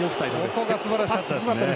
ここがすばらしかった。